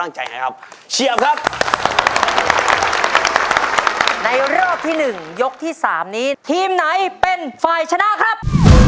ในรอบที่๑ยกที่๓นี้ทีมไหนเป็นฝ่ายชนะครับ